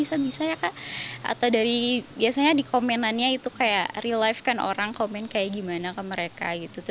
atau dari komenannya real life orang komen bagaimana mereka